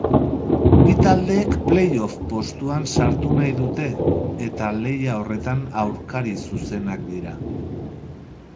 Bi taldeek play-off postuan sartu nahi dute eta lehia horretan aurkari zuzenak dira.